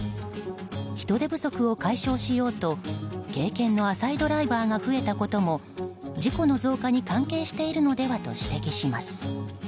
人手不足を解消しようと経験の浅いドライバーが増えたことも、事故の増加に関係しているのではと指摘します。